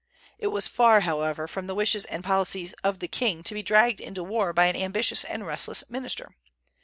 It was far, however, from the wishes and policy of the king to be dragged into war by an ambitious and restless minister.